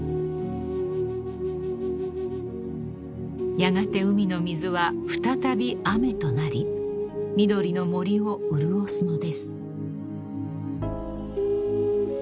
［やがて海の水は再び雨となり緑の森を潤すのです］